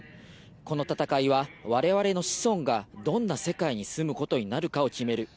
この戦いは我々の子孫がどんな世界に住むことになるかを決める。